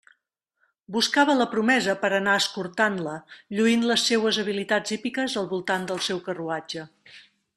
Buscava la promesa per a anar escortant-la, lluint les seues habilitats hípiques al voltant del seu carruatge.